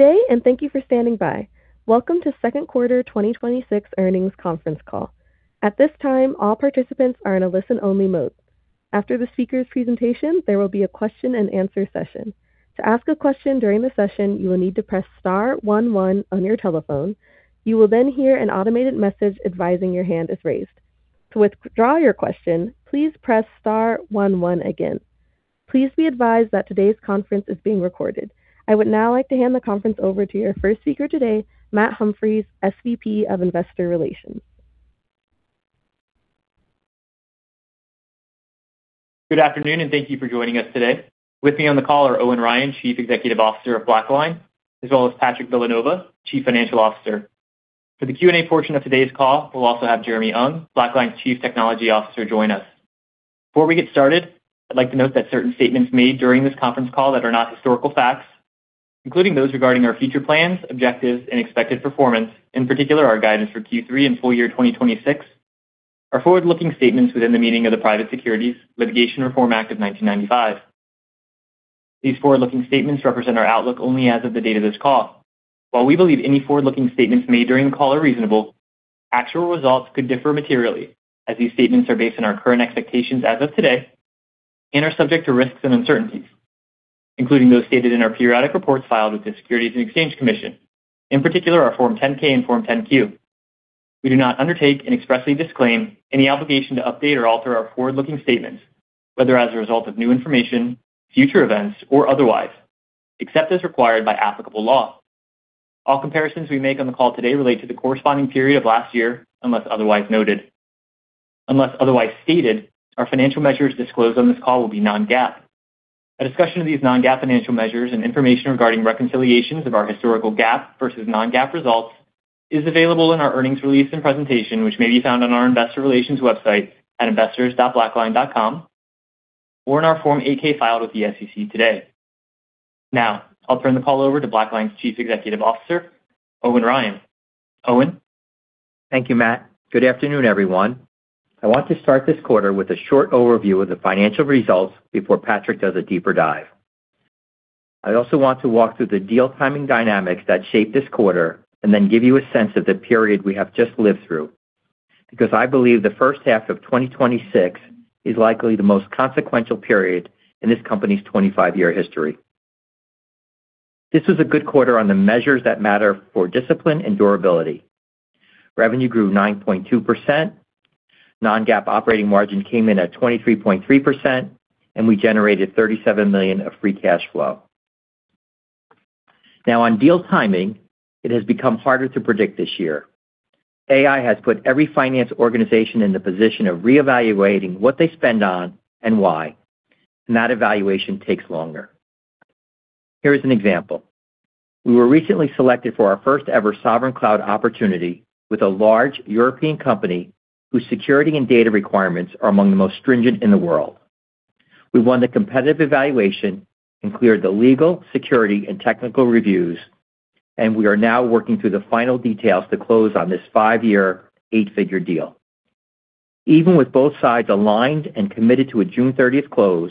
Good day. Thank you for standing by. Welcome to second quarter 2026 earnings conference call. At this time, all participants are in a listen-only mode. After the speaker's presentation, there will be a question-and-answer session. To ask a question during the session, you will need to press star one one on your telephone. You will then hear an automated message advising your hand is raised. To withdraw your question, please press star one one again. Please be advised that today's conference is being recorded. I would now like to hand the conference over to your first speaker today, Matt Humphreys, SVP of Investor Relations. Good afternoon. Thank you for joining us today. With me on the call are Owen Ryan, Chief Executive Officer of BlackLine, as well as Patrick Villanova, Chief Financial Officer. For the Q&A portion of today's call, we'll also have Jeremy Ung, BlackLine's Chief Technology Officer, join us. Before we get started, I'd like to note that certain statements made during this conference call that are not historical facts, including those regarding our future plans, objectives, and expected performance, in particular our guidance for Q3 and full year 2026, are forward-looking statements within the meaning of the Private Securities Litigation Reform Act of 1995. These forward-looking statements represent our outlook only as of the date of this call. While we believe any forward-looking statements made during the call are reasonable, actual results could differ materially as these statements are based on our current expectations as of today and are subject to risks and uncertainties, including those stated in our periodic reports filed with the Securities and Exchange Commission, in particular our Form 10-K and Form 10-Q. We do not undertake and expressly disclaim any obligation to update or alter our forward-looking statements, whether as a result of new information, future events, or otherwise, except as required by applicable law. All comparisons we make on the call today relate to the corresponding period of last year, unless otherwise noted. Unless otherwise stated, our financial measures disclosed on this call will be non-GAAP. A discussion of these non-GAAP financial measures and information regarding reconciliations of our historical GAAP versus non-GAAP results is available in our earnings release and presentation, which may be found on our investor relations website at investors.blackline.com or in our Form 8-K filed with the SEC today. Now, I'll turn the call over to BlackLine's Chief Executive Officer, Owen Ryan. Owen? Thank you, Matt. Good afternoon, everyone. I want to start this quarter with a short overview of the financial results before Patrick does a deeper dive. I also want to walk through the deal timing dynamics that shaped this quarter and then give you a sense of the period we have just lived through, because I believe the first half of 2026 is likely the most consequential period in this company's 25-year history. This was a good quarter on the measures that matter for discipline and durability. Revenue grew 9.2%, non-GAAP operating margin came in at 23.3%, and we generated $37 million of free cash flow. On deal timing, it has become harder to predict this year. AI has put every finance organization in the position of reevaluating what they spend on and why, and that evaluation takes longer. Here is an example. We were recently selected for our first ever sovereign cloud opportunity with a large European company whose security and data requirements are among the most stringent in the world. We won the competitive evaluation and cleared the legal, security, and technical reviews, and we are now working through the final details to close on this five-year, eight-figure deal. Even with both sides aligned and committed to a June 30th close,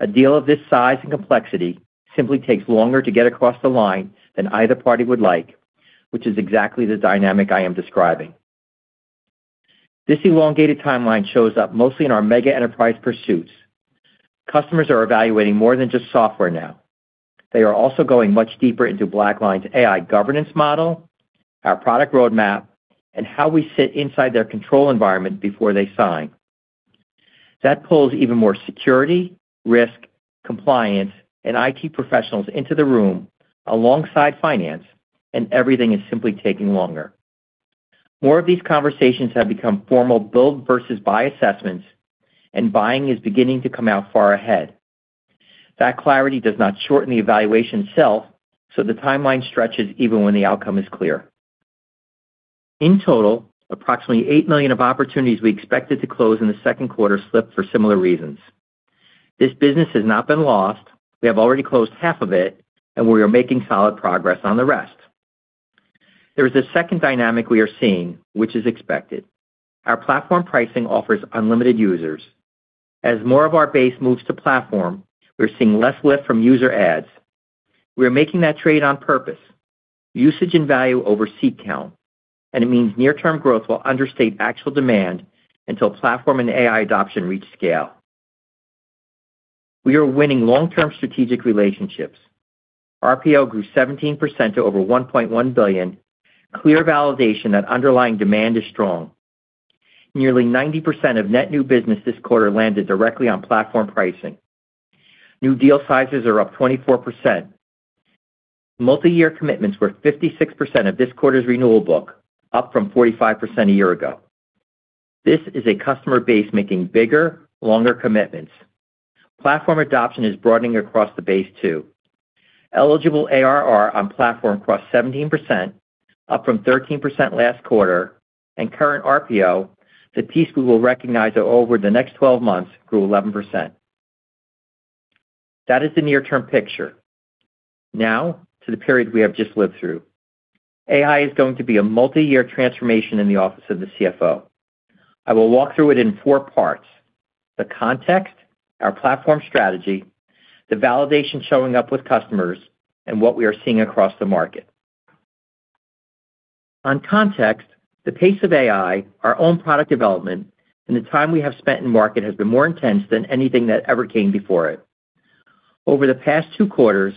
a deal of this size and complexity simply takes longer to get across the line than either party would like, which is exactly the dynamic I am describing. This elongated timeline shows up mostly in our mega enterprise pursuits. Customers are evaluating more than just software now. They are also going much deeper into BlackLine's AI governance model, our product roadmap, and how we sit inside their control environment before they sign. That pulls even more security, risk, compliance, and IT professionals into the room alongside finance. Everything is simply taking longer. More of these conversations have become formal build versus buy assessments. Buying is beginning to come out far ahead. That clarity does not shorten the evaluation itself. The timeline stretches even when the outcome is clear. In total, approximately $8 million of opportunities we expected to close in the second quarter slipped for similar reasons. This business has not been lost. We have already closed half of it, and we are making solid progress on the rest. There is a second dynamic we are seeing, which is expected. Our platform pricing offers unlimited users. As more of our base moves to platform, we're seeing less lift from user adds. We are making that trade on purpose. Usage and value over seat count. It means near-term growth will understate actual demand until platform and AI adoption reach scale. We are winning long-term strategic relationships. RPO grew 17% to over $1.1 billion, clear validation that underlying demand is strong. Nearly 90% of net new business this quarter landed directly on platform pricing. New deal sizes are up 24%. Multi-year commitments were 56% of this quarter's renewal book, up from 45% a year ago. This is a customer base making bigger, longer commitments. Platform adoption is broadening across the base too. Eligible ARR on platform crossed 17%, up from 13% last quarter, and current RPO, the piece we will recognize over the next 12 months, grew 11%. That is the near-term picture. To the period we have just lived through. AI is going to be a multi-year transformation in the office of the CFO. I will walk through it in four parts. The context, our platform strategy, the validation showing up with customers, and what we are seeing across the market. On context, the pace of AI, our own product development, and the time we have spent in market has been more intense than anything that ever came before it. Over the past two quarters,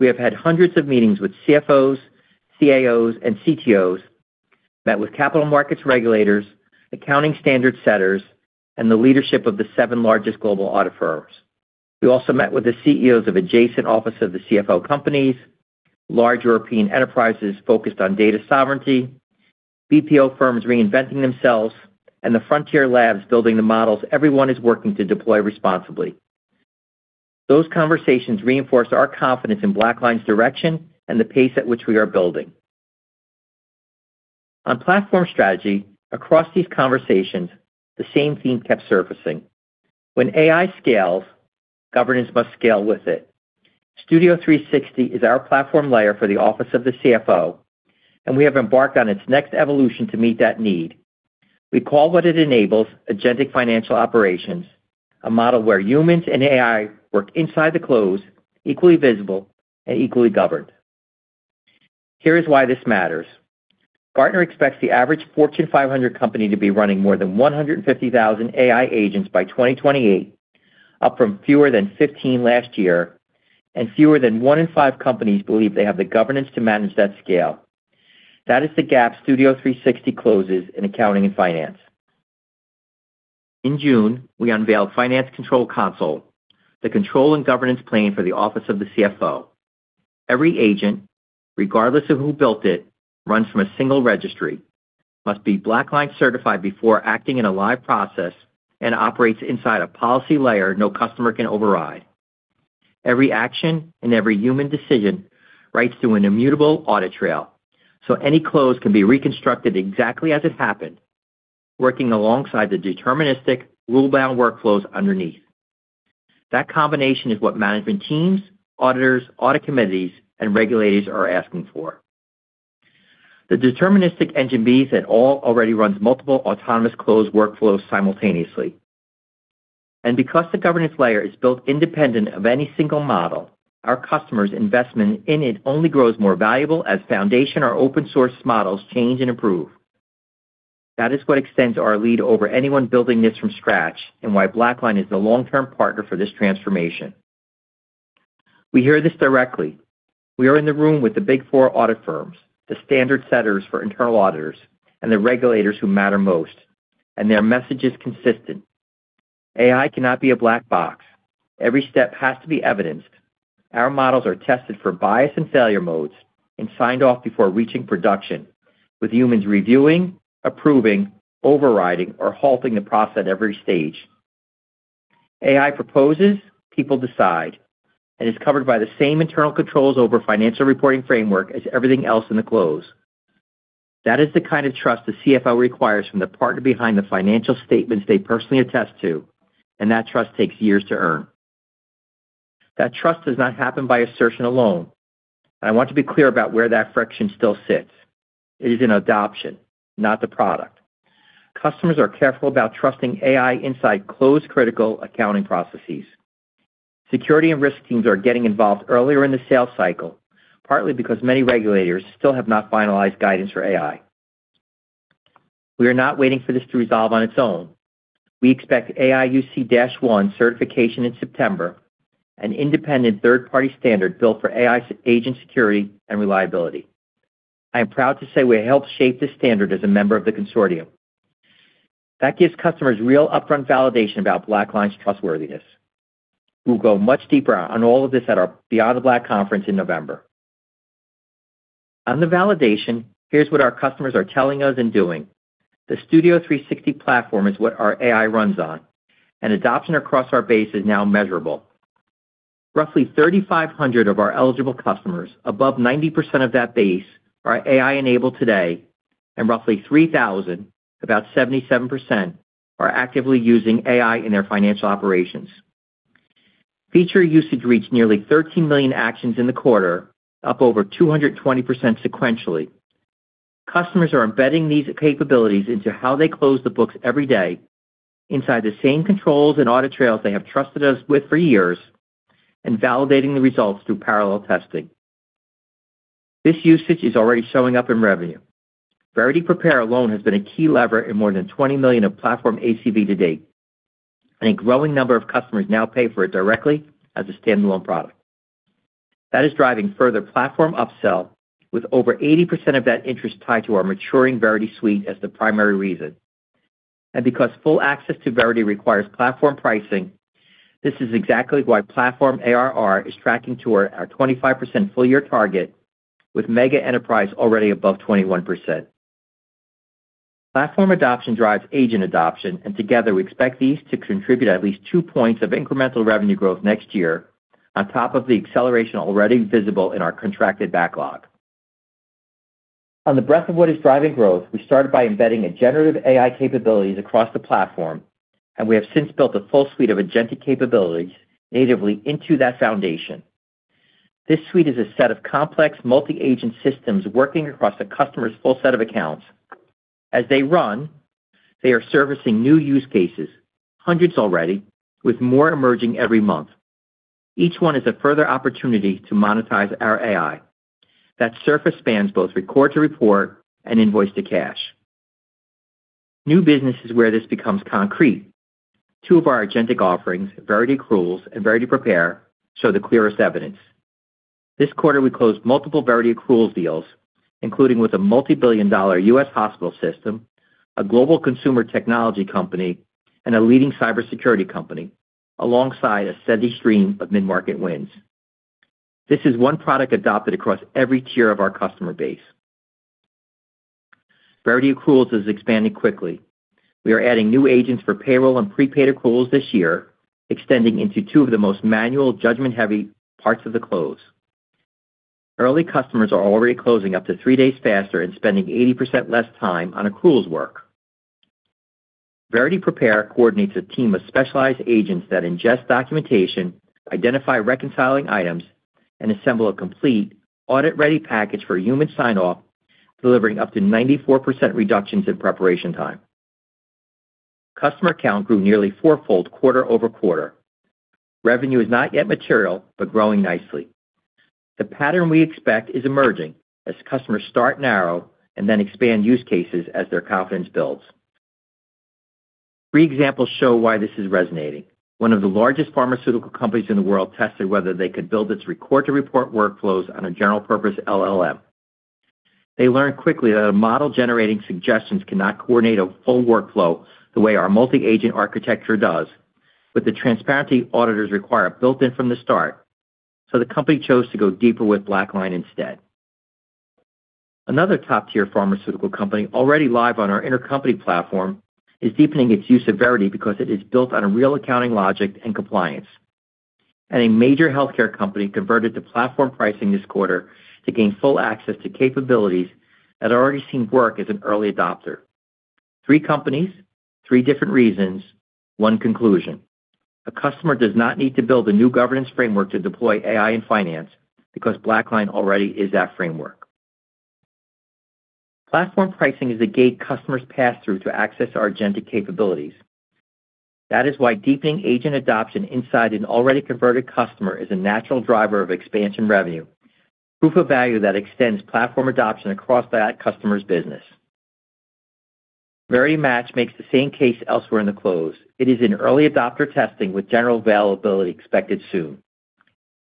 we have had hundreds of meetings with CFOs, CAOs, and CTOs, met with capital markets regulators, accounting standard setters, and the leadership of the seven largest global audit firms. We also met with the CEOs of adjacent office of the CFO companies, large European enterprises focused on data sovereignty, BPO firms reinventing themselves, and the frontier labs building the models everyone is working to deploy responsibly. Those conversations reinforce our confidence in BlackLine's direction and the pace at which we are building. On platform strategy, across these conversations, the same theme kept surfacing. When AI scales, governance must scale with it. Studio 360 is our platform layer for the office of the CFO, and we have embarked on its next evolution to meet that need. We call what it enables agentic financial operations, a model where humans and AI work inside the close, equally visible and equally governed. Here is why this matters. Gartner expects the average Fortune 500 company to be running more than 150,000 AI agents by 2028, up from fewer than 15 last year, and fewer than one in five companies believe they have the governance to manage that scale. That is the gap Studio 360 closes in accounting and finance. In June, we unveiled Finance Control Console, the control and governance plane for the office of the CFO. Every agent, regardless of who built it, runs from a single registry, must be BlackLine certified before acting in a live process, and operates inside a policy layer no customer can override. Every action and every human decision writes to an immutable audit trail, so any close can be reconstructed exactly as it happened, working alongside the deterministic rule-bound workflows underneath. That combination is what management teams, auditors, audit committees, and regulators are asking for. The deterministic engine means that all already runs multiple autonomous close workflows simultaneously. Because the governance layer is built independent of any single model, our customers' investment in it only grows more valuable as foundation or open source models change and improve. That is what extends our lead over anyone building this from scratch, why BlackLine is the long-term partner for this transformation. We hear this directly. We are in the room with the Big Four audit firms, the standard setters for internal auditors and the regulators who matter most, and their message is consistent. AI cannot be a black box. Every step has to be evidenced. Our models are tested for bias and failure modes and signed off before reaching production, with humans reviewing, approving, overriding, or halting the process at every stage. AI proposes, people decide, and is covered by the same internal controls over financial reporting framework as everything else in the close. That is the kind of trust the CFO requires from the partner behind the financial statements they personally attest to, and that trust takes years to earn. That trust does not happen by assertion alone. I want to be clear about where that friction still sits. It is in adoption, not the product. Customers are careful about trusting AI inside close critical accounting processes. Security and risk teams are getting involved earlier in the sales cycle, partly because many regulators still have not finalized guidance for AI. We are not waiting for this to resolve on its own. We expect AIUC-1 certification in September, an independent third-party standard built for AI agent security and reliability. I am proud to say we helped shape this standard as a member of the consortium. That gives customers real upfront validation about BlackLine's trustworthiness. We will go much deeper on all of this at our BeyondTheBlack conference in November. On the validation, here is what our customers are telling us and doing. The Studio360 platform is what our AI runs on, and adoption across our base is now measurable. Roughly 3,500 of our eligible customers, above 90% of that base, are AI-enabled today, and roughly 3,000, about 77%, are actively using AI in their financial operations. Feature usage reached nearly 13 million actions in the quarter, up over 220% sequentially. Customers are embedding these capabilities into how they close the books every day inside the same controls and audit trails they have trusted us with for years and validating the results through parallel testing. This usage is already showing up in revenue. Verity Prepare alone has been a key lever in more than $20 million of platform ACV to date. A growing number of customers now pay for it directly as a standalone product. That is driving further platform upsell with over 80% of that interest tied to our maturing Verity suite as the primary reason. Because full access to Verity requires platform pricing, this is exactly why platform ARR is tracking to our 25% full-year target with mega enterprise already above 21%. Platform adoption drives agent adoption, and together, we expect these to contribute at least two points of incremental revenue growth next year on top of the acceleration already visible in our contracted backlog. On the breadth of what is driving growth, we started by embedding generative AI capabilities across the platform, and we have since built a full suite of agentic capabilities natively into that foundation. This suite is a set of complex multi-agent systems working across a customer's full set of accounts. As they run, they are servicing new use cases, hundreds already, with more emerging every month. Each one is a further opportunity to monetize our AI. That surface spans both record to report and invoice to cash. New business is where this becomes concrete. Two of our agentic offerings, Verity Accruals and Verity Prepare, show the clearest evidence. This quarter, we closed multiple Verity Accruals deals, including with a multi-billion-dollar U.S. hospital system, a global consumer technology company, and a leading cybersecurity company, alongside a steady stream of mid-market wins. This is one product adopted across every tier of our customer base. Verity Accruals is expanding quickly. We are adding new agents for payroll and prepaid accruals this year, extending into two of the most manual, judgment-heavy parts of the close. Early customers are already closing up to three days faster and spending 80% less time on accruals work. Verity Prepare coordinates a team of specialized agents that ingest documentation, identify reconciling items, and assemble a complete audit-ready package for human sign-off, delivering up to 94% reductions in preparation time. Customer count grew nearly four-fold quarter-over-quarter. Revenue is not yet material, but growing nicely. The pattern we expect is emerging as customers start narrow and then expand use cases as their confidence builds. Three examples show why this is resonating. One of the largest pharmaceutical companies in the world tested whether they could build its record to report workflows on a general purpose LLM. They learned quickly that a model generating suggestions cannot coordinate a full workflow the way our multi-agent architecture does, with the transparency auditors require built in from the start, so the company chose to go deeper with BlackLine instead. Another top-tier pharmaceutical company already live on our intercompany platform is deepening its use of Verity because it is built on a real accounting logic and compliance. A major healthcare company converted to platform pricing this quarter to gain full access to capabilities that already seem to work as an early adopter. Three companies, three different reasons, one conclusion. A customer does not need to build a new governance framework to deploy AI in finance because BlackLine already is that framework. Platform pricing is a gate customers pass through to access our agentic capabilities. That is why deepening agent adoption inside an already converted customer is a natural driver of expansion revenue, proof of value that extends platform adoption across that customer's business. Verity Match makes the same case elsewhere in the close. It is in early adopter testing with general availability expected soon.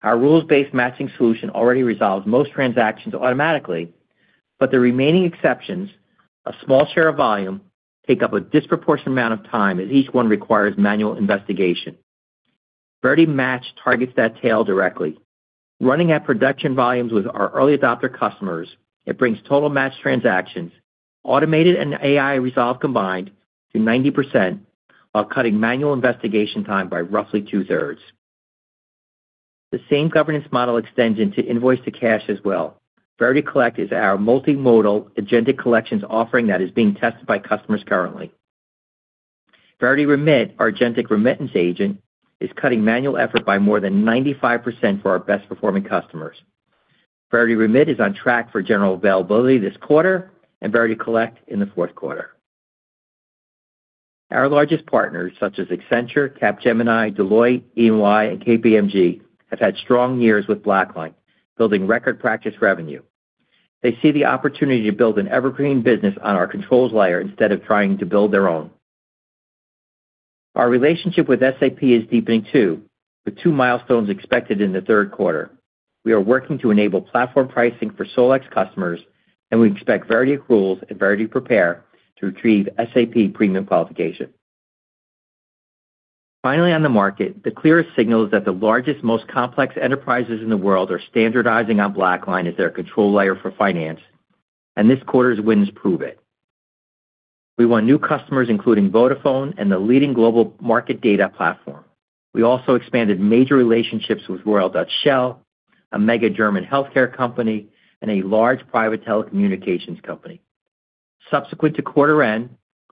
Our rules-based matching solution already resolves most transactions automatically, but the remaining exceptions, a small share of volume, take up a disproportionate amount of time as each one requires manual investigation. Verity Match targets that tail directly. Running at production volumes with our early adopter customers, it brings total matched transactions, automated and AI resolve combined, to 90% while cutting manual investigation time by roughly 2/3. The same governance model extends into invoice to cash as well. Verity Collect is our multimodal agentic collections offering that is being tested by customers currently. Verity Remit, our agentic remittance agent, is cutting manual effort by more than 95% for our best-performing customers. Verity Remit is on track for general availability this quarter and Verity Collect in the fourth quarter. Our largest partners, such as Accenture, Capgemini, Deloitte, EY, and KPMG, have had strong years with BlackLine, building record practice revenue. They see the opportunity to build an evergreen business on our controls layer instead of trying to build their own. Our relationship with SAP is deepening too, with two milestones expected in the third quarter. We are working to enable platform pricing for SolEx customers, and we expect Verity Accruals and Verity Prepare to retrieve SAP premium qualification. Finally, on the market, the clearest signal is that the largest, most complex enterprises in the world are standardizing on BlackLine as their control layer for finance. And this quarter's wins prove it. We won new customers, including Vodafone and the leading global market data platform. We also expanded major relationships with Royal Dutch Shell, a mega German healthcare company, and a large private telecommunications company. Subsequent to quarter end,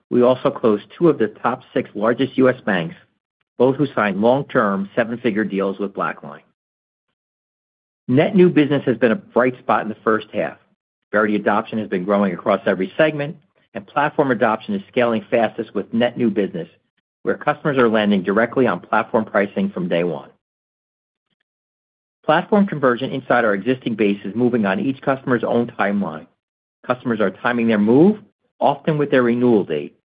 we also closed two of the top six largest U.S. banks, both who signed long-term seven-figure deals with BlackLine. Net new business has been a bright spot in the first half. Verity adoption has been growing across every segment. Platform adoption is scaling fastest with net new business, where customers are landing directly on platform pricing from day one. Platform conversion inside our existing base is moving on each customer's own timeline. Customers are timing their move, often with their renewal date.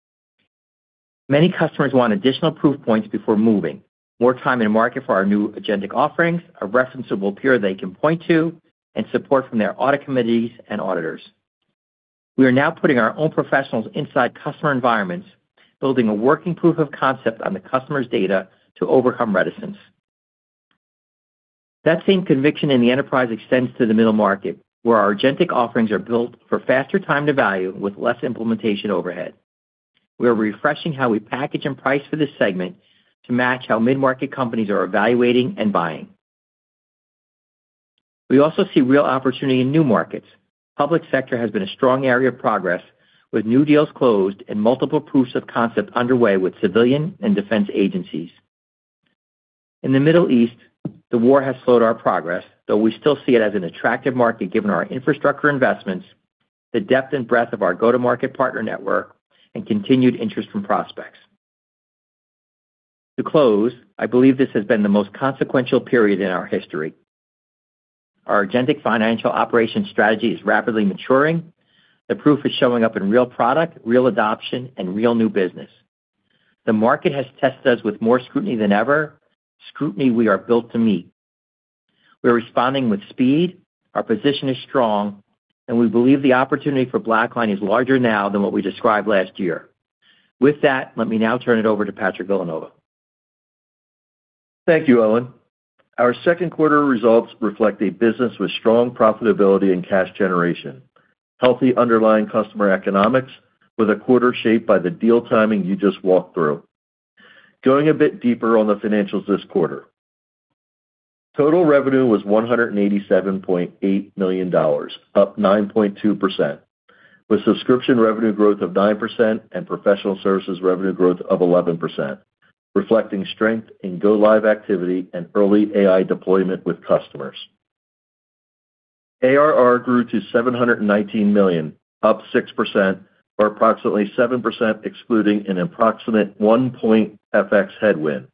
Many customers want additional proof points before moving, more time in market for our new agentic offerings, a referenceable peer they can point to, and support from their audit committees and auditors. We are now putting our own professionals inside customer environments, building a working proof of concept on the customer's data to overcome reticence. That same conviction in the enterprise extends to the middle market, where our agentic offerings are built for faster time to value with less implementation overhead. We are refreshing how we package and price for this segment to match how mid-market companies are evaluating and buying. We also see real opportunity in new markets. Public sector has been a strong area of progress with new deals closed and multiple proofs of concept underway with civilian and defense agencies. In the Middle East, the war has slowed our progress, though we still see it as an attractive market given our infrastructure investments, the depth and breadth of our go-to-market partner network, and continued interest from prospects. To close, I believe this has been the most consequential period in our history. Our agentic financial operations strategy is rapidly maturing. The proof is showing up in real product, real adoption, and real new business. The market has tested us with more scrutiny than ever, scrutiny we are built to meet. We are responding with speed, our position is strong. We believe the opportunity for BlackLine is larger now than what we described last year. With that, let me now turn it over to Patrick Villanova. Thank you, Owen. Our second quarter results reflect a business with strong profitability and cash generation, healthy underlying customer economics with a quarter shaped by the deal timing you just walked through. Going a bit deeper on the financials this quarter. Total revenue was $187.8 million, up 9.2%, with subscription revenue growth of 9% and professional services revenue growth of 11%, reflecting strength in go live activity and early AI deployment with customers. ARR grew to $719 million, up 6%, or approximately 7% excluding an approximate one-point FX headwind.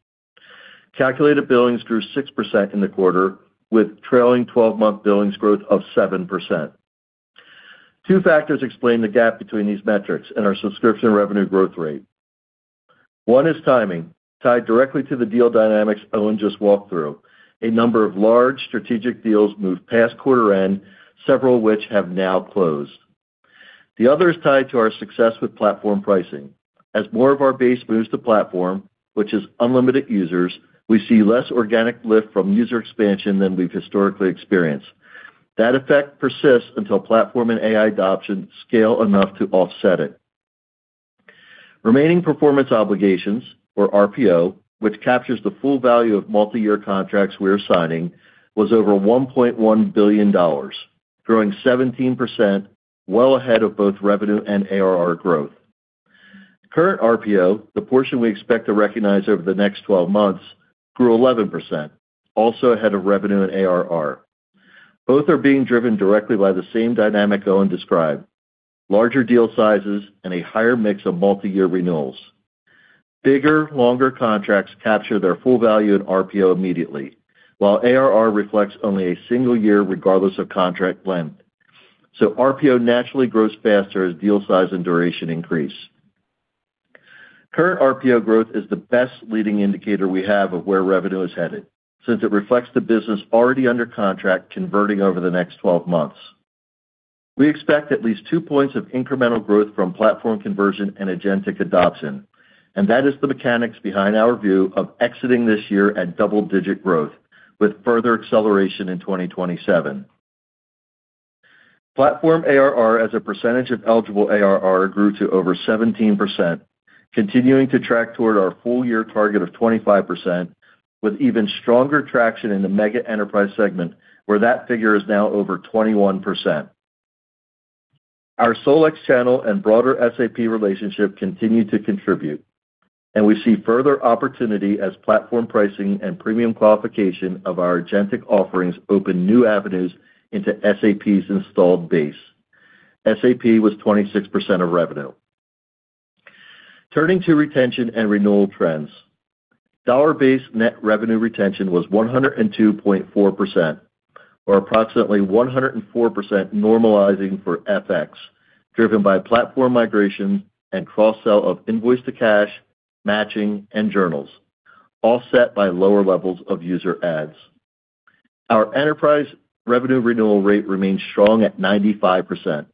Calculated billings grew 6% in the quarter, with trailing 12-month billings growth of 7%. Two factors explain the gap between these metrics and our subscription revenue growth rate. One is timing, tied directly to the deal dynamics Owen just walked through. A number of large strategic deals moved past quarter end, several of which have now closed. The other is tied to our success with platform pricing. As more of our base moves to platform, which is unlimited users, we see less organic lift from user expansion than we've historically experienced. That effect persists until platform and AI adoption scale enough to offset it. Remaining performance obligations, or RPO, which captures the full value of multi-year contracts we are signing, was over $1.1 billion, growing 17%, well ahead of both revenue and ARR growth. Current RPO, the portion we expect to recognize over the next 12 months, grew 11%, also ahead of revenue and ARR. Both are being driven directly by the same dynamic Owen described, larger deal sizes and a higher mix of multi-year renewals. Bigger, longer contracts capture their full value in RPO immediately, while ARR reflects only a single year regardless of contract length. RPO naturally grows faster as deal size and duration increase. Current RPO growth is the best leading indicator we have of where revenue is headed, since it reflects the business already under contract converting over the next 12 months. We expect at least two points of incremental growth from platform conversion and agentic adoption, and that is the mechanics behind our view of exiting this year at double-digit growth, with further acceleration in 2027. Platform ARR as a percentage of eligible ARR grew to over 17%, continuing to track toward our full-year target of 25%, with even stronger traction in the mega enterprise segment, where that figure is now over 21%. Our SolEx channel and broader SAP relationship continue to contribute, and we see further opportunity as platform pricing and premium qualification of our agentic offerings open new avenues into SAP's installed base. SAP was 26% of revenue. Turning to retention and renewal trends. Dollar-based net revenue retention was 102.4%, or approximately 104% normalizing for FX, driven by platform migration and cross-sell of invoice to cash, matching, and journals, offset by lower levels of user adds. Our enterprise revenue renewal rate remains strong at 95%.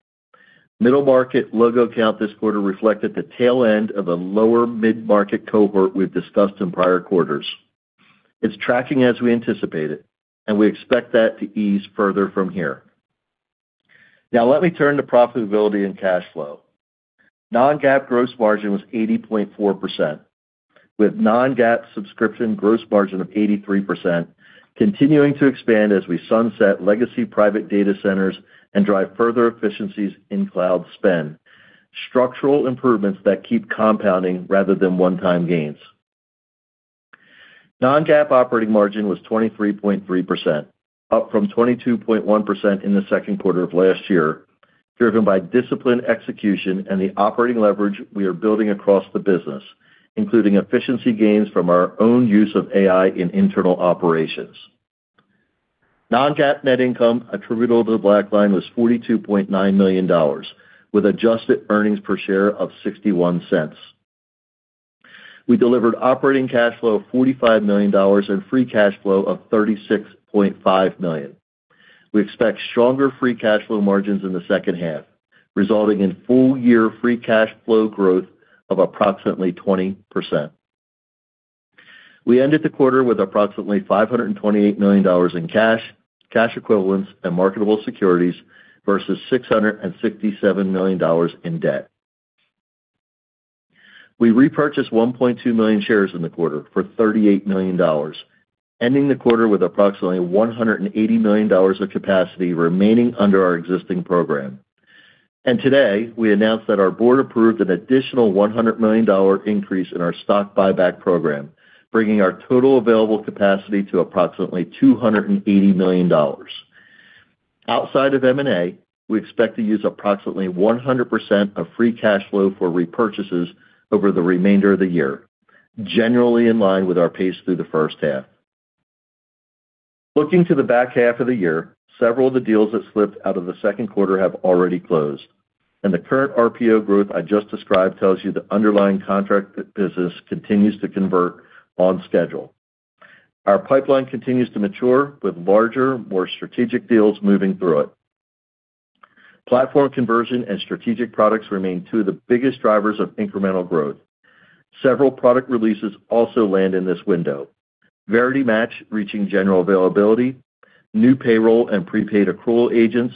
Middle market logo count this quarter reflected the tail end of a lower mid-market cohort we've discussed in prior quarters. It's tracking as we anticipated, and we expect that to ease further from here. Now let me turn to profitability and cash flow. Non-GAAP gross margin was 80.4%, with non-GAAP subscription gross margin of 83%, continuing to expand as we sunset legacy private data centers and drive further efficiencies in cloud spend. Structural improvements that keep compounding rather than one-time gains. Non-GAAP operating margin was 23.3%, up from 22.1% in the second quarter of last year, driven by disciplined execution and the operating leverage we are building across the business, including efficiency gains from our own use of AI in internal operations. Non-GAAP net income attributable to BlackLine was $42.9 million, with adjusted earnings per share of $0.61. We delivered operating cash flow of $45 million and free cash flow of $36.5 million. We expect stronger free cash flow margins in the second half, resulting in full-year free cash flow growth of approximately 20%. We ended the quarter with approximately $528 million in cash equivalents, and marketable securities versus $667 million in debt. We repurchased 1.2 million shares in the quarter for $38 million, ending the quarter with approximately $180 million of capacity remaining under our existing program. Today, we announced that our board approved an additional $100 million increase in our stock buyback program, bringing our total available capacity to approximately $280 million. Outside of M&A, we expect to use approximately 100% of free cash flow for repurchases over the remainder of the year, generally in line with our pace through the first half. Looking to the back half of the year, several of the deals that slipped out of the second quarter have already closed, and the current RPO growth I just described tells you the underlying contract business continues to convert on schedule. Our pipeline continues to mature with larger, more strategic deals moving through it. Platform conversion and strategic products remain two of the biggest drivers of incremental growth. Several product releases also land in this window. Verity Match reaching general availability, new payroll and prepaid accrual agents,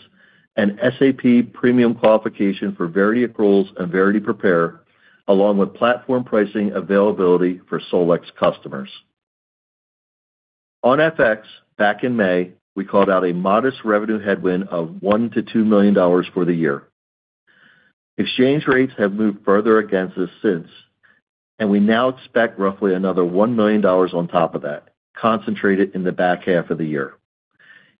and SAP premium qualification for Verity Accruals and Verity Prepare, along with platform pricing availability for SolEx customers. On FX, back in May, we called out a modest revenue headwind of $1 million-$2 million for the year. Exchange rates have moved further against us since, and we now expect roughly another $1 million on top of that, concentrated in the back half of the year.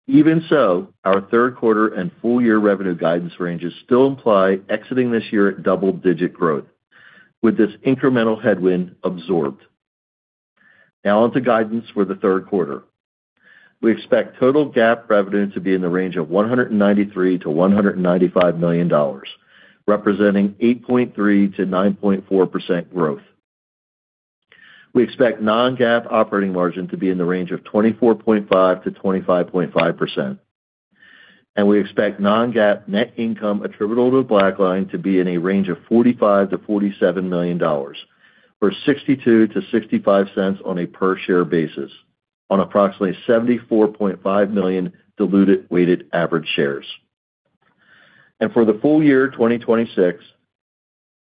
Even so, our third quarter and full year revenue guidance ranges still imply exiting this year at double-digit growth with this incremental headwind absorbed. Now onto guidance for the third quarter. We expect total GAAP revenue to be in the range of $193 million-$195 million, representing 8.3%-9.4% growth. We expect non-GAAP operating margin to be in the range of 24.5%-25.5%. We expect non-GAAP net income attributable to BlackLine to be in a range of $45 million-$47 million, or $0.62 to $0.65 on a per share basis on approximately 74.5 million diluted weighted average shares. For the full year 2026,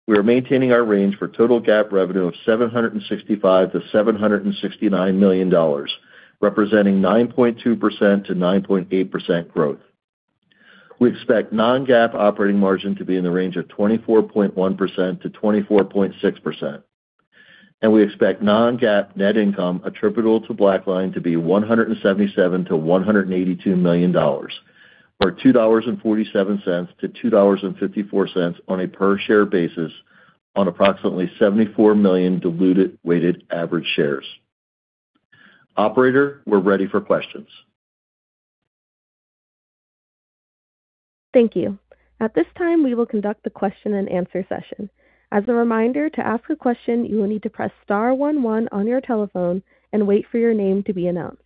we are maintaining our range for total GAAP revenue of $765 million-$769 million, representing 9.2%-9.8% growth. We expect non-GAAP operating margin to be in the range of 24.1%-24.6%. We expect non-GAAP net income attributable to BlackLine to be $177 million-$182 million, or $2.47-$2.54 on a per share basis on approximately 74 million diluted weighted average shares. Operator, we are ready for questions. Thank you. At this time, we will conduct the question and answer session. As a reminder, to ask a question, you will need to press star one one on your telephone and wait for your name to be announced.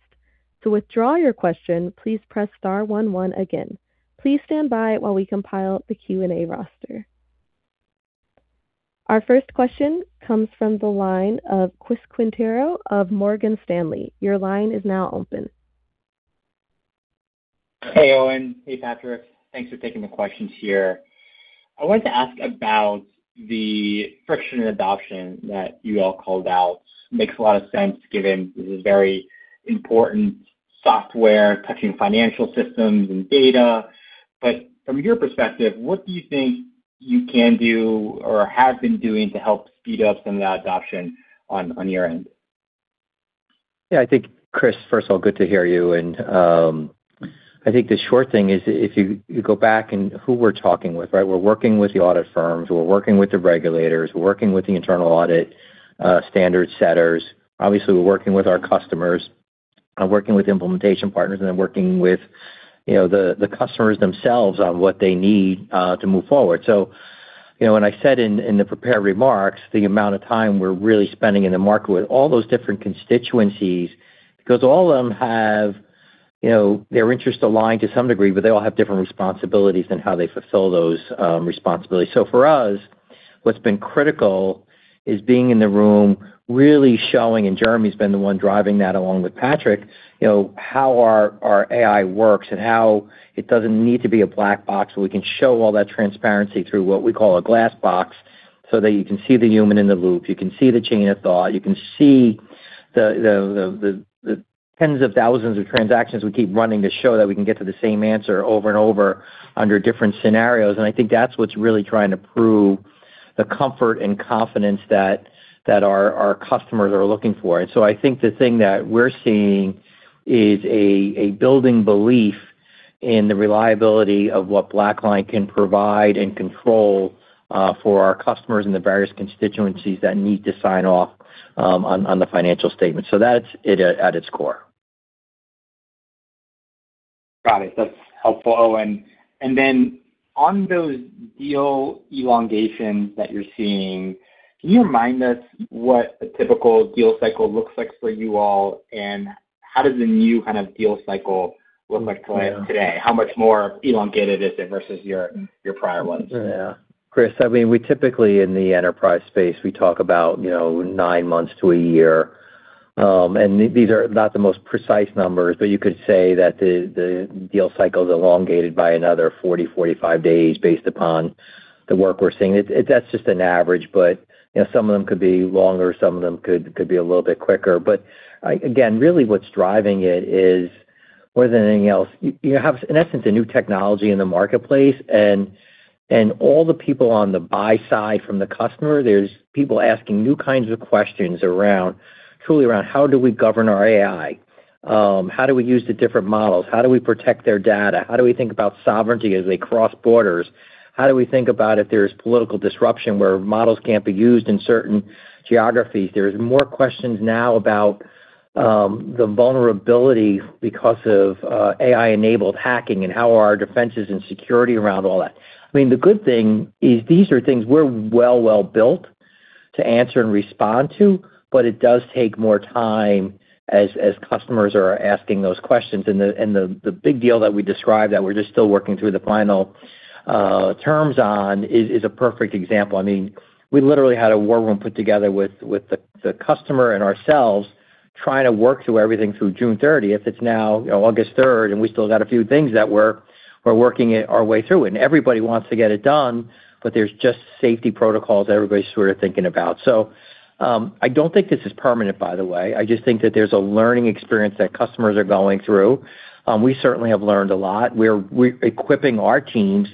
To withdraw your question, please press star one one again. Please stand by while we compile the Q&A roster. Our first question comes from the line of Chris Quintero of Morgan Stanley. Your line is now open. Hey, Owen. Hey, Patrick. Thanks for taking the questions here. I wanted to ask about the friction in adoption that you all called out. Makes a lot of sense given this is very important software touching financial systems and data. From your perspective, what do you think you can do or have been doing to help speed up some of the adoption on your end? Yeah, I think, Chris, first of all, good to hear you. I think the short thing is if you go back and who we're talking with, right? We're working with the audit firms, we're working with the regulators, we're working with the internal audit standard setters. Obviously, we're working with our customers, working with implementation partners, and then working with the customers themselves on what they need to move forward. When I said in the prepared remarks, the amount of time we're really spending in the market with all those different constituencies, because all of them have their interests aligned to some degree, but they all have different responsibilities in how they fulfill those responsibilities. For us, what's been critical is being in the room, really showing, and Jeremy's been the one driving that along with Patrick, how our AI works and how it doesn't need to be a black box. We can show all that transparency through what we call a glass box, so that you can see the human in the loop. You can see the chain of thought. You can see the tens of thousands of transactions we keep running to show that we can get to the same answer over and over under different scenarios. I think that's what's really trying to prove the comfort and confidence that our customers are looking for. I think the thing that we're seeing is a building belief in the reliability of what BlackLine can provide and control for our customers and the various constituencies that need to sign off on the financial statement. That's it at its core. Got it. That's helpful, Owen. Then on those deal elongations that you're seeing, can you remind us what a typical deal cycle looks like for you all, and how does the new deal cycle look like today? How much more elongated is it versus your prior ones? Yeah. Chris, I mean, we typically, in the enterprise space, we talk about nine months to a year These are not the most precise numbers, but you could say that the deal cycle is elongated by another 40, 45 days based upon the work we're seeing. That's just an average, but some of them could be longer, some of them could be a little bit quicker. Again, really what's driving it is, more than anything else, you have, in essence, a new technology in the marketplace and all the people on the buy side from the customer, there's people asking new kinds of questions truly around how do we govern our AI? How do we use the different models? How do we protect their data? How do we think about sovereignty as they cross borders? How do we think about if there's political disruption where models can't be used in certain geographies? There's more questions now about the vulnerability because of AI-enabled hacking and how are our defenses and security around all that. The good thing is these are things we're well built to answer and respond to, but it does take more time as customers are asking those questions. The big deal that we described, that we're just still working through the final terms on, is a perfect example. We literally had a war room put together with the customer and ourselves trying to work through everything through June 30. It's now August 3 and we still got a few things that we're working our way through, and everybody wants to get it done, but there's just safety protocols everybody's sort of thinking about. I don't think this is permanent, by the way. I just think that there's a learning experience that customers are going through. We certainly have learned a lot. We're equipping our teams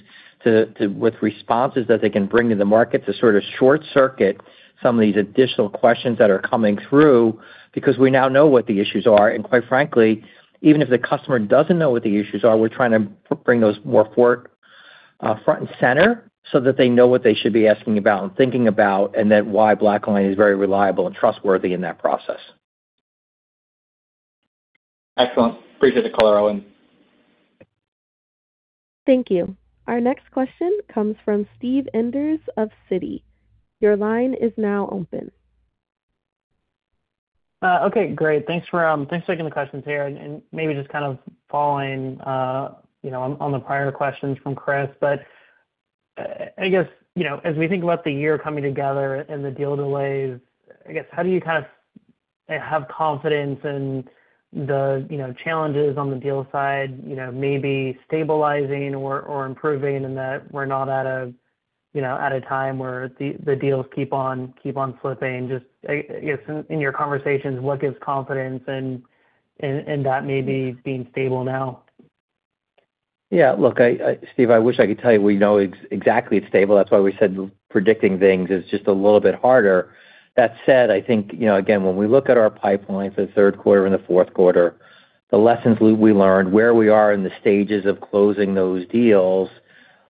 with responses that they can bring to the market to sort of short-circuit some of these additional questions that are coming through because we now know what the issues are. Quite frankly, even if the customer doesn't know what the issues are, we're trying to bring those more front and center so that they know what they should be asking about and thinking about, and then why BlackLine is very reliable and trustworthy in that process. Excellent. Appreciate the color, Owen. Thank you. Our next question comes from Steve Enders of Citi. Your line is now open. Okay, great. Thanks for taking the questions here, and maybe just kind of following on the prior questions from Chris, but I guess, as we think about the year coming together and the deal delays, I guess, how do you kind of have confidence in the challenges on the deal side, maybe stabilizing or improving and that we're not at a time where the deals keep on slipping? I guess, in your conversations, what gives confidence in that maybe being stable now? Look, Steve, I wish I could tell you we know exactly it's stable. That's why we said predicting things is just a little bit harder. That said, I think, again, when we look at our pipelines at third quarter and the fourth quarter, the lessons we learned, where we are in the stages of closing those deals,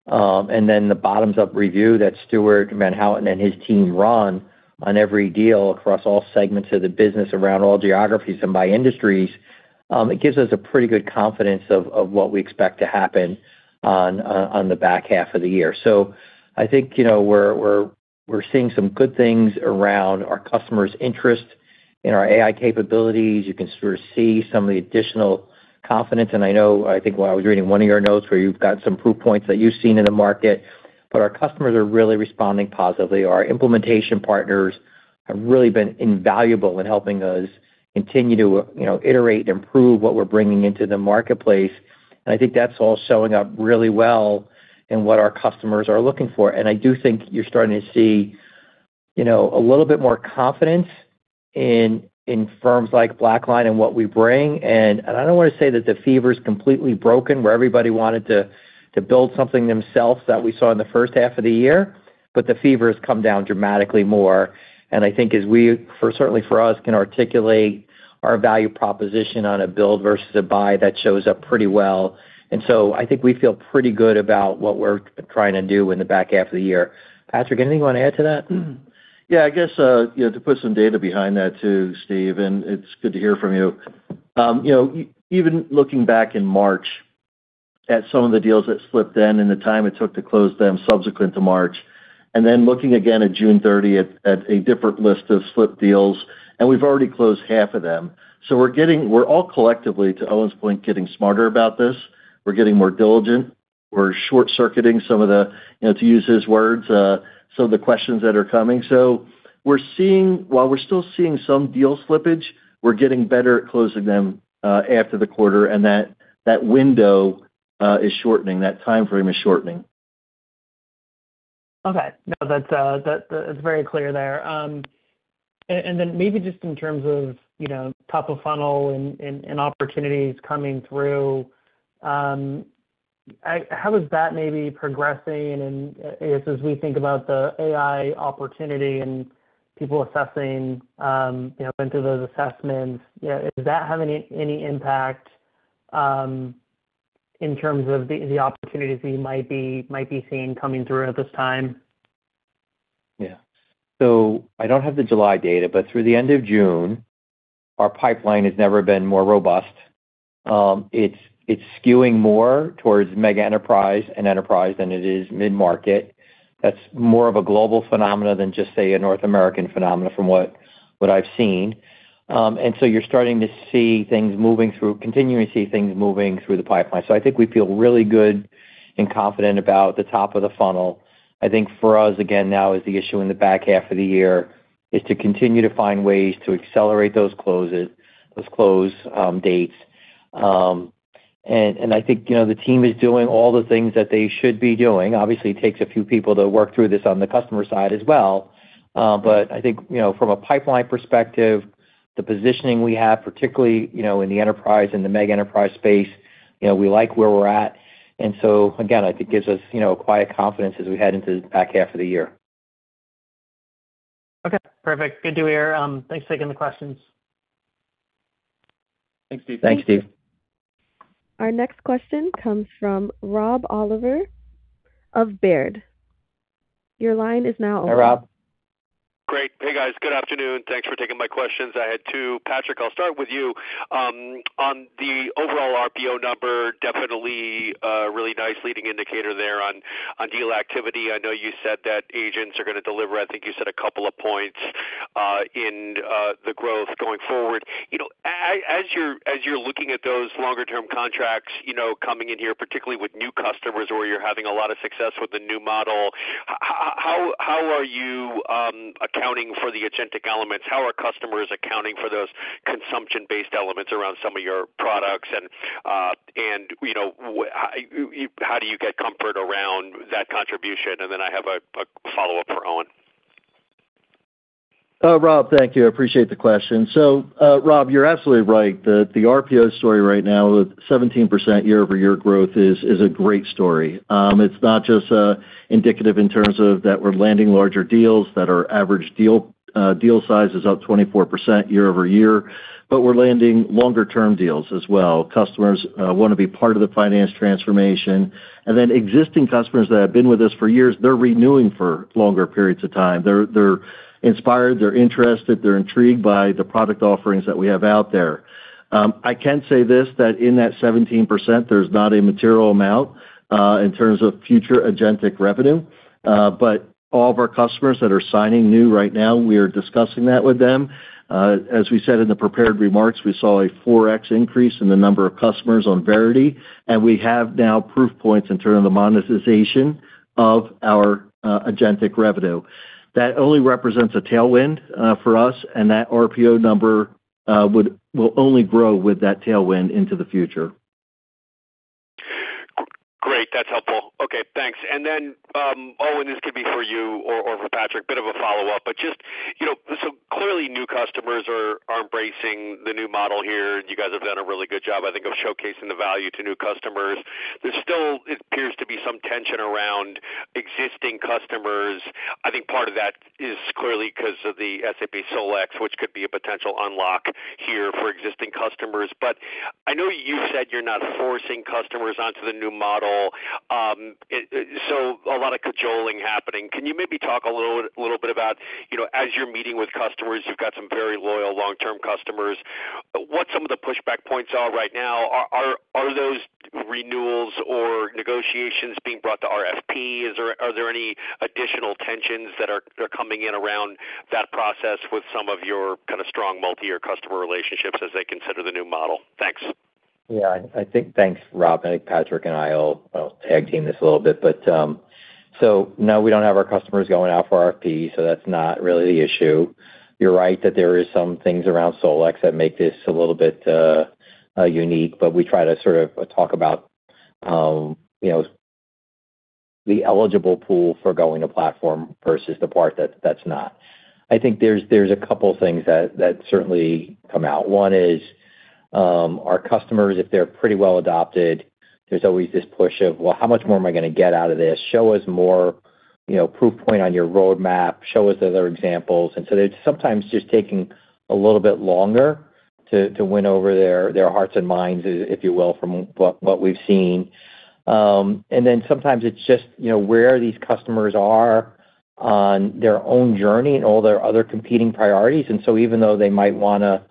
and then the bottoms-up review that Stuart Van Houten and his team run on every deal across all segments of the business around all geographies and by industries, it gives us a pretty good confidence of what we expect to happen on the back half of the year. I think we're seeing some good things around our customers' interest in our AI capabilities. You can sort of see some of the additional confidence, and I know, I think when I was reading one of your notes where you've got some proof points that you've seen in the market, but our customers are really responding positively. Our implementation partners have really been invaluable in helping us continue to iterate and improve what we're bringing into the marketplace. I think that's all showing up really well in what our customers are looking for. I do think you're starting to see a little bit more confidence in firms like BlackLine and what we bring, and I don't want to say that the fever's completely broken, where everybody wanted to build something themselves that we saw in the first half of the year, but the fever has come down dramatically more. I think as we, certainly for us, can articulate our value proposition on a build versus a buy, that shows up pretty well. I think we feel pretty good about what we're trying to do in the back half of the year. Patrick, anything you want to add to that? I guess, to put some data behind that too, Steve, and it's good to hear from you. Even looking back in March at some of the deals that slipped then and the time it took to close them subsequent to March, and then looking again at June 30 at a different list of slipped deals, and we've already closed half of them. We're all collectively, to Owen's point, getting smarter about this. We're getting more diligent. We're short-circuiting some of the, to use his words, some of the questions that are coming. While we're still seeing some deal slippage, we're getting better at closing them after the quarter, and that window is shortening, that timeframe is shortening. No, that's very clear there. Maybe just in terms of top of funnel and opportunities coming through, how is that maybe progressing? I guess as we think about the AI opportunity and people assessing, went through those assessments, does that have any impact in terms of the opportunities that you might be seeing coming through at this time? Yeah. I don't have the July data, but through the end of June, our pipeline has never been more robust. It's skewing more towards mega enterprise and enterprise than it is mid-market. That's more of a global phenomena than just, say, a North American phenomena from what I've seen. You're starting to continuing to see things moving through the pipeline. I think we feel really good and confident about the top of the funnel. I think for us, again, now is the issue in the back half of the year is to continue to find ways to accelerate those close dates. I think the team is doing all the things that they should be doing. Obviously, it takes a few people to work through this on the customer side as well. I think from a pipeline perspective, the positioning we have, particularly in the enterprise and the mega enterprise space, we like where we're at. Again, I think gives us quiet confidence as we head into the back half of the year. Okay, perfect. Good to hear. Thanks for taking the questions. Thanks, Steve. Thanks, Steve. Our next question comes from Rob Oliver of Baird. Your line is now open. Hey, Rob. Great. Hey, guys. Good afternoon. Thanks for taking my questions. I had two. Patrick, I'll start with you. On the overall RPO number, definitely a really nice leading indicator there on deal activity. I know you said that agents are going to deliver, I think you said a couple of points, in the growth going forward. As you're looking at those longer-term contracts coming in here, particularly with new customers where you're having a lot of success with the new model, how are you accounting for the agentic elements? How are customers accounting for those consumption-based elements around some of your products and how do you get comfort around that contribution? And then I have a follow-up for Owen. Rob, thank you. I appreciate the question. Rob, you're absolutely right. The RPO story right now, 17% year-over-year growth is a great story. It's not just indicative in terms of that we're landing larger deals, that our average deal size is up 24% year-over-year, but we're landing longer-term deals as well. Customers want to be part of the finance transformation. Existing customers that have been with us for years, they're renewing for longer periods of time. They're inspired, they're interested, they're intrigued by the product offerings that we have out there. I can say this, that in that 17%, there's not a material amount, in terms of future agentic revenue. All of our customers that are signing new right now, we are discussing that with them. As we said in the prepared remarks, we saw a 4x increase in the number of customers on Verity, and we have now proof points in terms of the monetization of our agentic revenue. That only represents a tailwind for us, and that RPO number will only grow with that tailwind into the future. Great. That's helpful. Okay, thanks. Owen, this could be for you or for Patrick, bit of a follow-up. Clearly new customers are embracing the new model here. You guys have done a really good job, I think, of showcasing the value to new customers. There still appears to be some tension around existing customers. I think part of that is clearly because of the SAP SolEx, which could be a potential unlock here for existing customers. I know you said you're not forcing customers onto the new model, so a lot of cajoling happening. Can you maybe talk a little bit about, as you're meeting with customers, you've got some very loyal long-term customers. What some of the pushback points are right now? Are those renewals or negotiations being brought to RFP? Are there any additional tensions that are coming in around that process with some of your strong multi-year customer relationships as they consider the new model? Thanks. Yeah, thanks, Rob. I think Patrick and I will tag team this a little bit. No, we don't have our customers going out for RFP, so that's not really the issue. You're right that there is some things around SolEx that make this a little bit unique, but we try to sort of talk about the eligible pool for going to platform versus the part that's not. I think there's a couple things that certainly come out. One is, our customers, if they're pretty well adopted, there's always this push of, well, how much more am I going to get out of this? Show us more proof point on your roadmap, show us other examples. They're sometimes just taking a little bit longer to win over their hearts and minds, if you will, from what we've seen. Sometimes it's just where these customers are on their own journey and all their other competing priorities. Even though they might want to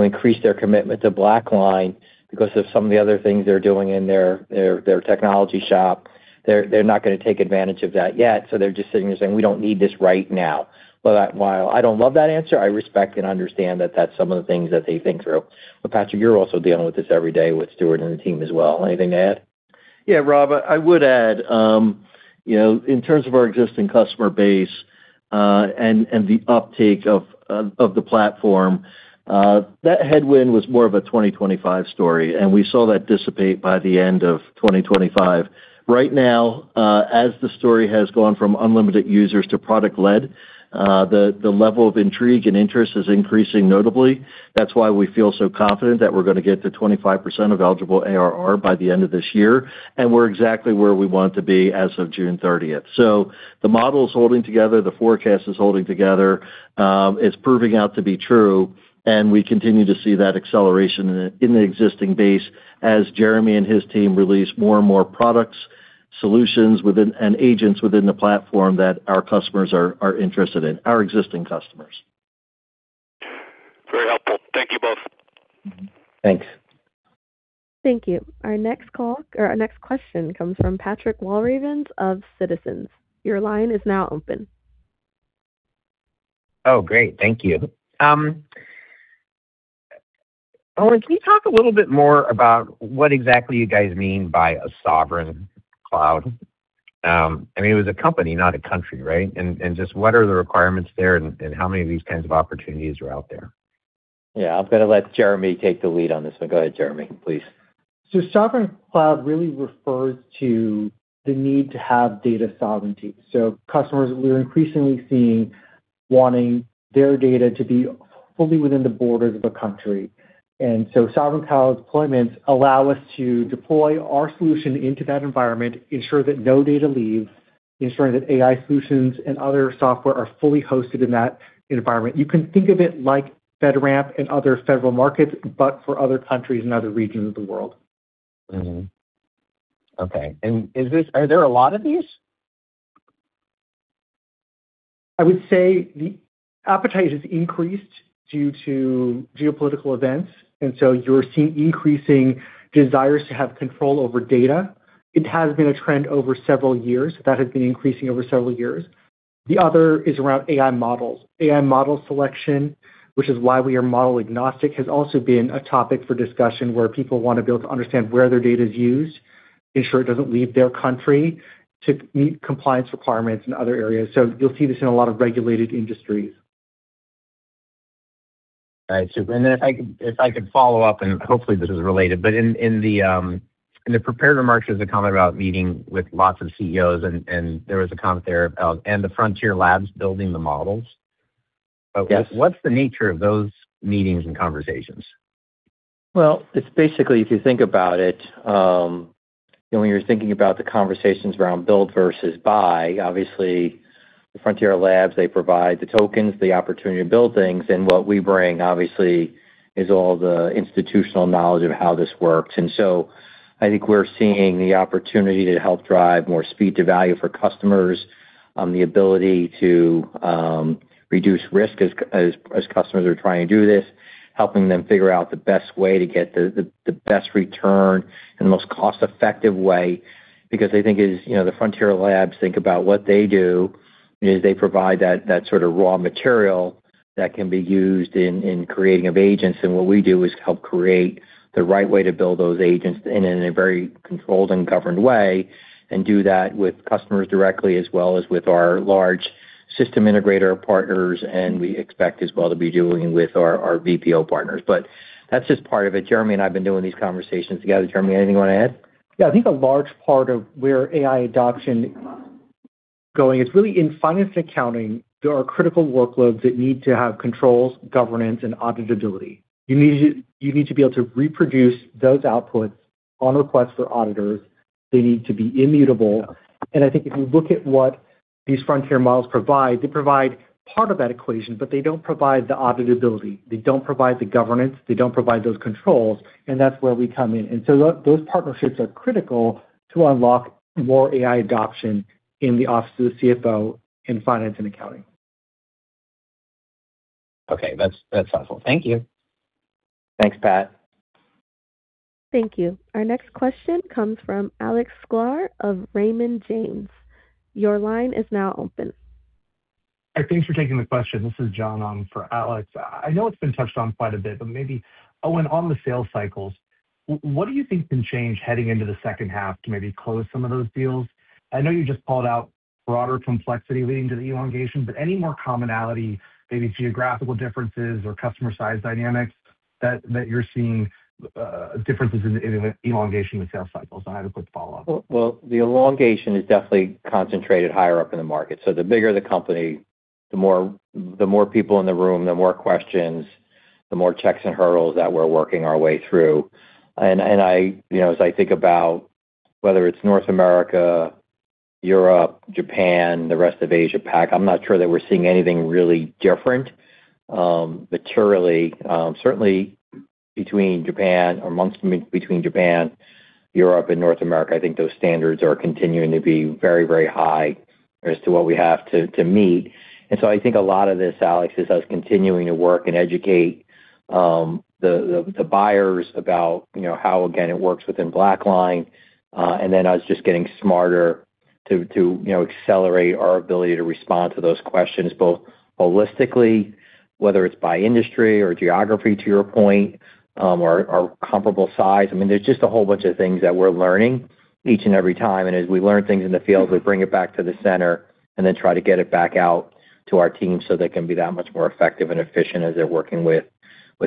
increase their commitment to BlackLine, because of some of the other things they're doing in their technology shop, they're not going to take advantage of that yet. They're just sitting there saying, "We don't need this right now." While I don't love that answer, I respect and understand that that's some of the things that they think through. Patrick, you're also dealing with this every day with Stuart and the team as well. Anything to add? Yeah, Rob, I would add, in terms of our existing customer base, and the uptake of the platform, that headwind was more of a 2025 story, and we saw that dissipate by the end of 2025. Right now, as the story has gone from unlimited users to product led, the level of intrigue and interest is increasing notably. That's why we feel so confident that we're going to get to 25% of eligible ARR by the end of this year, and we're exactly where we want to be as of June 30. The model is holding together, the forecast is holding together. It's proving out to be true, and we continue to see that acceleration in the existing base as Jeremy and his team release more and more products, solutions, and agents within the platform that our customers are interested in, our existing customers. Very helpful. Thank you both. Thanks. Thank you. Our next question comes from Patrick Walravens of Citizens. Your line is now open. Oh, great. Thank you. Owen, can you talk a little bit more about what exactly you guys mean by a sovereign cloud? I mean, it was a company, not a country, right? Just what are the requirements there and how many of these kinds of opportunities are out there? Yeah, I'm going to let Jeremy take the lead on this one. Go ahead, Jeremy, please. Sovereign cloud really refers to the need to have data sovereignty. Customers we're increasingly seeing wanting their data to be fully within the borders of a country. Sovereign cloud deployments allow us to deploy our solution into that environment, ensure that no data leaves, ensuring that AI solutions and other software are fully hosted in that environment. You can think of it like FedRAMP and other federal markets, but for other countries and other regions of the world. Okay. Are there a lot of these? I would say the appetite has increased due to geopolitical events, and so you're seeing increasing desires to have control over data. It has been a trend over several years. That has been increasing over several years. The other is around AI models. AI model selection, which is why we are model agnostic, has also been a topic for discussion where people want to be able to understand where their data is used, ensure it doesn't leave their country to meet compliance requirements in other areas. You'll see this in a lot of regulated industries. All right. If I could follow up, and hopefully this is related, but in the prepared remarks, there's a comment about meeting with lots of CEOs and there was a comment there about the Frontier labs building the models. Yes. What's the nature of those meetings and conversations? Well, it's basically, if you think about it, when you're thinking about the conversations around build versus buy, obviously the Frontier labs, they provide the tokens, the opportunity to build things, and what we bring, obviously, is all the institutional knowledge of how this works. I think we're seeing the opportunity to help drive more speed to value for customers, the ability to reduce risk as customers are trying to do this, helping them figure out the best way to get the best return in the most cost-effective way. I think as the Frontier labs think about what they do, is they provide that sort of raw material that can be used in creating of agents. What we do is help create the right way to build those agents in a very controlled and governed way and do that with customers directly as well as with our large system integrator partners, and we expect as well to be doing with our BPO partners. That's just part of it. Jeremy and I've been doing these conversations together. Jeremy, anything you want to add? Yeah. I think a large part of where AI adoption going is really in finance and accounting, there are critical workloads that need to have controls, governance, and auditability. You need to be able to reproduce those outputs on requests for auditors. They need to be immutable. I think if you look at what these Frontier models provide, they provide part of that equation, but they don't provide the auditability. They don't provide the governance, they don't provide those controls, and that's where we come in. Those partnerships are critical to unlock more AI adoption in the office of the CFO in finance and accounting. Okay. That's helpful. Thank you. Thanks, Pat. Thank you. Our next question comes from Alex Sklar of Raymond James. Your line is now open. Thanks for taking the question. This is John on for Alex. I know it has been touched on quite a bit, but maybe, Owen, on the sales cycles, what do you think can change heading into the second half to maybe close some of those deals? I know you just called out broader complexity leading to the elongation, but any more commonality, maybe geographical differences or customer size dynamics that you are seeing differences in elongation with sales cycles? I have a quick follow-up. The elongation is definitely concentrated higher up in the market. The bigger the company, the more people in the room, the more questions, the more checks and hurdles that we are working our way through. As I think about whether it is North America, Europe, Japan, the rest of Asia Pac, I am not sure that we are seeing anything really different materially. Certainly between Japan, Europe, and North America, I think those standards are continuing to be very high as to what we have to meet. I think a lot of this, Alex, is us continuing to work and educate the buyers about how, again, it works within BlackLine. Then us just getting smarter to accelerate our ability to respond to those questions, both holistically, whether it is by industry or geography, to your point, or comparable size. I mean, there is just a whole bunch of things that we are learning each and every time. As we learn things in the field, we bring it back to the center and then try to get it back out to our teams so they can be that much more effective and efficient as they are working with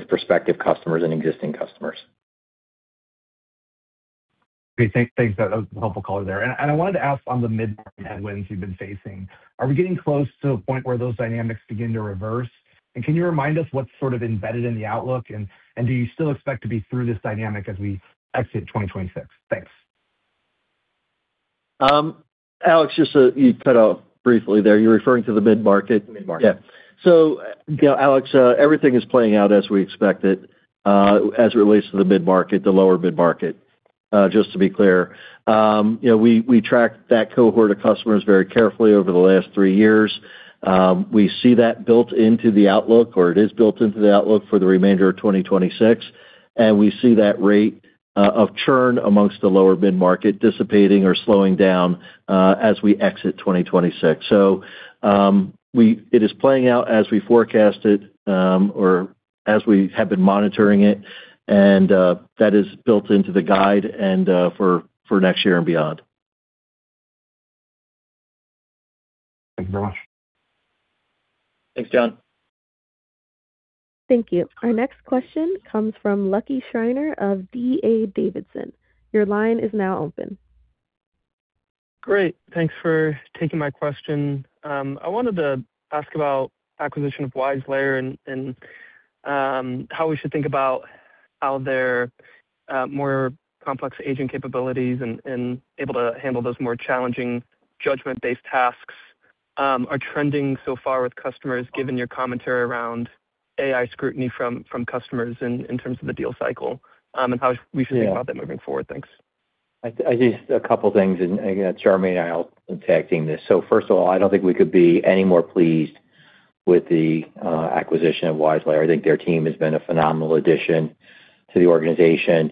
prospective customers and existing customers. Great. Thanks. That was a helpful call there. I wanted to ask on the mid-market headwinds you have been facing, are we getting close to a point where those dynamics begin to reverse? Can you remind us what is sort of embedded in the outlook, and do you still expect to be through this dynamic as we exit 2026? Thanks. Alex, just you cut out briefly there, you're referring to the mid-market? The mid-market. Yeah. Alex, everything is playing out as we expected, as it relates to the mid-market, the lower mid-market. Just to be clear. We tracked that cohort of customers very carefully over the last three years. We see that built into the outlook, or it is built into the outlook for the remainder of 2026, and we see that rate of churn amongst the lower mid-market dissipating or slowing down as we exit 2026. It is playing out as we forecasted or as we have been monitoring it, that is built into the guide and for next year and beyond. Thank you very much. Thanks, John. Thank you. Our next question comes from Lucky Shriner of D.A. Davidson. Your line is now open. Great. Thanks for taking my question. I wanted to ask about acquisition of WiseLayer and how we should think about how their more complex agent capabilities and able to handle those more challenging judgment-based tasks are trending so far with customers, given your commentary around AI scrutiny from customers in terms of the deal cycle, and how we should think about that moving forward. Thanks. Just a couple of things. Again, Jeremy and I are tag-teaming this. First of all, I don't think we could be any more pleased with the acquisition of WiseLayer. I think their team has been a phenomenal addition to the organization.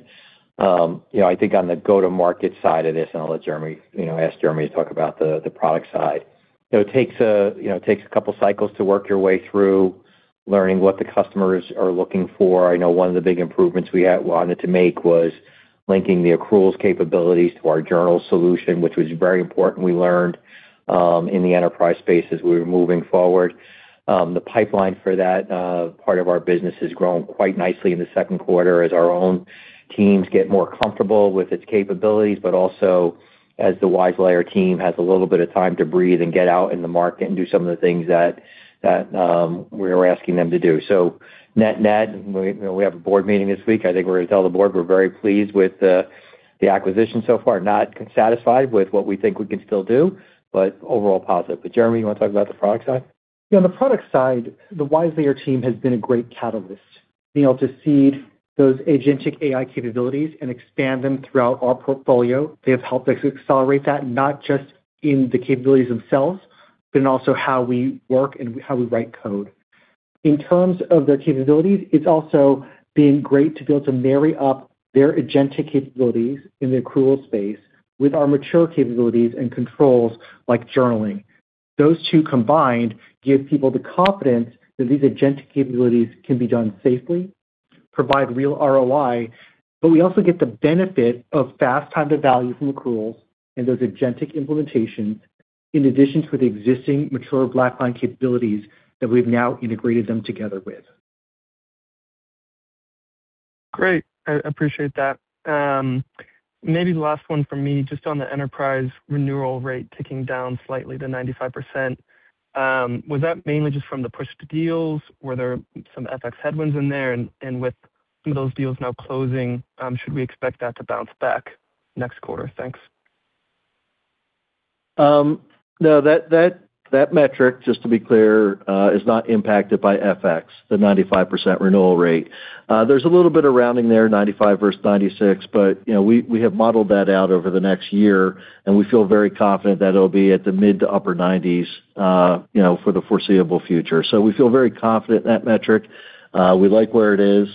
I think on the go-to-market side of this, I'll ask Jeremy to talk about the product side. It takes a couple cycles to work your way through learning what the customers are looking for. I know one of the big improvements we wanted to make was linking the accruals capabilities to our journal solution, which was very important, we learned, in the enterprise space as we were moving forward. The pipeline for that part of our business has grown quite nicely in the second quarter as our own teams get more comfortable with its capabilities, but also as the WiseLayer team has a little bit of time to breathe and get out in the market and do some of the things that we were asking them to do. Net, we have a board meeting this week. I think we're going to tell the board we're very pleased with the acquisition so far. Not satisfied with what we think we can still do, but overall positive. Jeremy, you want to talk about the product side? On the product side, the WiseLayer team has been a great catalyst, being able to seed those agentic AI capabilities and expand them throughout our portfolio. They have helped us accelerate that, not just in the capabilities themselves, but in also how we work and how we write code. In terms of their capabilities, it's also been great to be able to marry up their agentic capabilities in the accrual space with our mature capabilities and controls like journaling. Those two combined give people the confidence that these agentic capabilities can be done safely, provide real ROI, but we also get the benefit of fast time to value from accruals and those agentic implementations, in addition to the existing mature BlackLine capabilities that we've now integrated them together with. Great. I appreciate that. Maybe the last one from me, just on the enterprise renewal rate ticking down slightly to 95%. Was that mainly just from the push to deals? Were there some FX headwinds in there? With some of those deals now closing, should we expect that to bounce back next quarter? Thanks. No, that metric, just to be clear, is not impacted by FX, the 95% renewal rate. There's a little bit of rounding there, 95 versus 96, but we have modeled that out over the next year, and we feel very confident that it'll be at the mid to upper 90s for the foreseeable future. We feel very confident in that metric. We like where it is.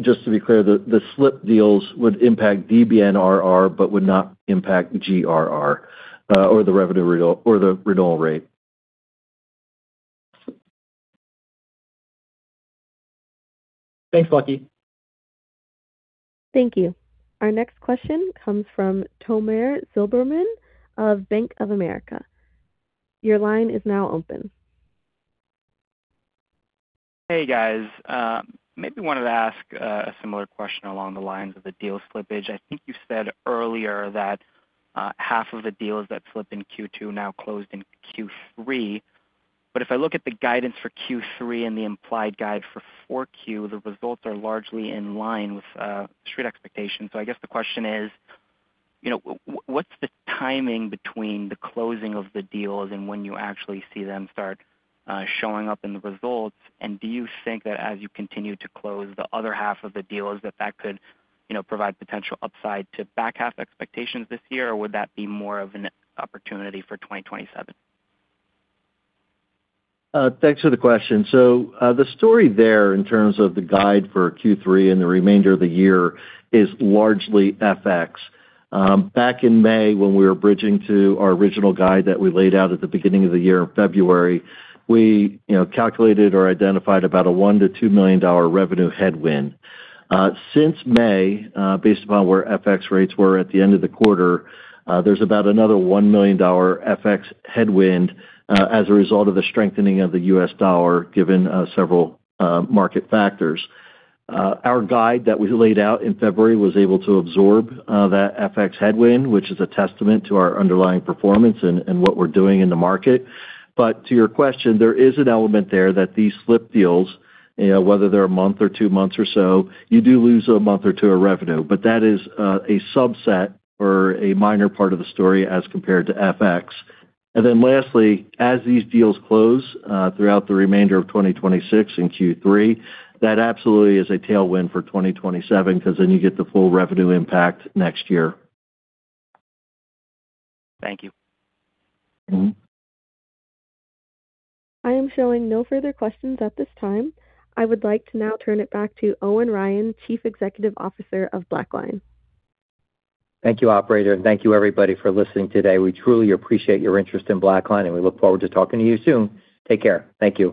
Just to be clear, the slipped deals would impact DBNRR, but would not impact GRR or the revenue renewal rate. Thanks, Patrick. Thank you. Our next question comes from Tomer Zilberman of Bank of America. Your line is now open. Hey, guys. Maybe wanted to ask a similar question along the lines of the deal slippage. I think you said earlier that half of the deals that slipped in Q2 now closed in Q3. If I look at the guidance for Q3 and the implied guide for 4Q, the results are largely in line with street expectations. I guess the question is, what's the timing between the closing of the deals and when you actually see them start showing up in the results? Do you think that as you continue to close the other half of the deals, that that could provide potential upside to back half expectations this year? Or would that be more of an opportunity for 2027? Thanks for the question. The story there in terms of the guide for Q3 and the remainder of the year is largely FX. Back in May, when we were bridging to our original guide that we laid out at the beginning of the year in February, we calculated or identified about a $1 million-$2 million revenue headwind. Since May, based upon where FX rates were at the end of the quarter, there's about another $1 million FX headwind as a result of the strengthening of the U.S. dollar, given several market factors. Our guide that we laid out in February was able to absorb that FX headwind, which is a testament to our underlying performance and what we're doing in the market. To your question, there is an element there that these slipped deals, whether they're a month or two months or so, you do lose a month or two of revenue. That is a subset or a minor part of the story as compared to FX. Lastly, as these deals close throughout the remainder of 2026 in Q3, that absolutely is a tailwind for 2027 because you get the full revenue impact next year. Thank you. I am showing no further questions at this time. I would like to now turn it back to Owen Ryan, Chief Executive Officer of BlackLine. Thank you, operator, and thank you, everybody, for listening today. We truly appreciate your interest in BlackLine, and we look forward to talking to you soon. Take care. Thank you.